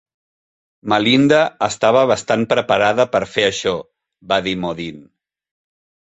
"Melinda estava bastant preparada per fer això", va dir Modin.